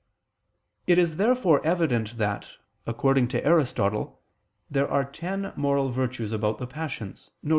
It is therefore evident that, according to Aristotle, there are ten moral virtues about the passions, viz.